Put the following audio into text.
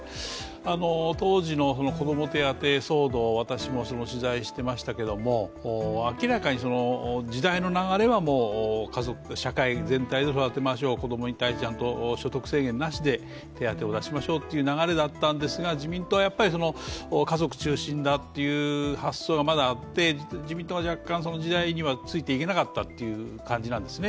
当時の子ども手当騒動、私も取材していましたけど明らかに時代の流れはもう社会全体で育てましょう、子供に対して所得制限なしで手当を出しましょうという方針だったんですけど、自民党はやっぱり家族中心だっていう発想がまだあって自民党が若干、時代にはついていけなかったという感じなんですね。